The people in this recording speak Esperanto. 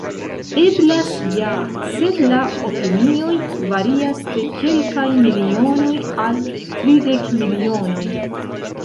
Eblas ja, sed la opinioj varias de kelkaj milionoj al tridek milionoj!